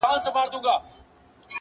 د حاکم تر خزانې پوري به تللې،